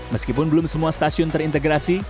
meskipun belum semua stasiun terintegrasi